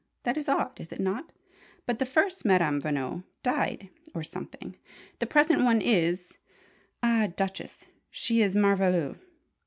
That is odd, is it not? But the first Madame Veno died or something. The present one is ah, Duchess, she is merveilleuse.